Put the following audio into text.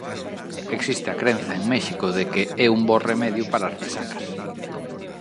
Existe a crenza en México de que é un bo remedio para as resacas.